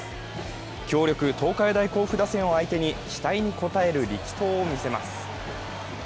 強力・東海大甲府打線を相手に期待に応える力投を見せます。